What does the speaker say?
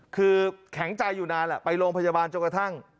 คือแข็งใจอยู่นานแหละไปโรงพยาบาลจนกระทั่ง